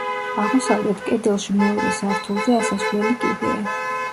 აღმოსავლეთ კედელში მეორე სართულზე ასასვლელი კიბეა.